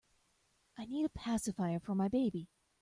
I need a pacifier for my baby.